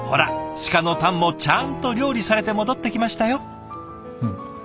鹿のタンもちゃんと料理されて戻ってきましたよ。